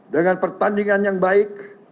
dengan pertandingan yang baik